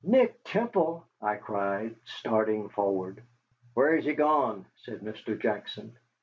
"Nick Temple!" I cried, starting forward. "Where's he gone?" said Mr. Jackson.